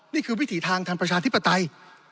นี่คือวิถีทางทางประชาธิปไตย